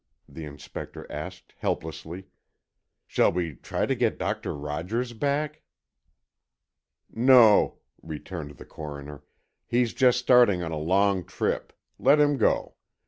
the Inspector asked, helplessly. "Shall we try to get Doctor Rogers back?" "No," returned the Coroner, "he's just starting on a long trip. Let him go.